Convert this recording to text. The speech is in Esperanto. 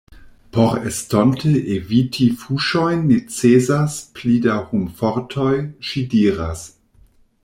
Por estonte eviti fuŝojn necesas pli da homfortoj, ŝi diras.